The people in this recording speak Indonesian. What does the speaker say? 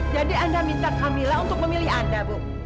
jadi kamu meminta kamila untuk memilih kamu bu